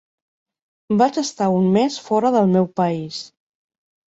Vaig estar un mes fora del meu país.